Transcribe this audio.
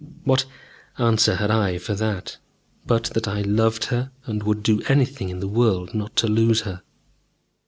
What answer had I for that, but that I loved her and would do anything in the world not to lose her?